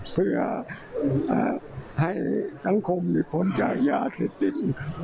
เพื่อให้สังคมหยุดพ้นจากยาเสพติด